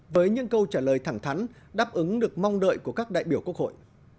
với những câu trả lời thẳng thắn đáp ứng được mong đợi của các đại biểu quốc hội